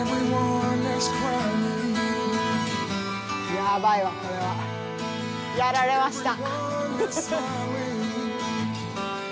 やばいわこれは。やられました。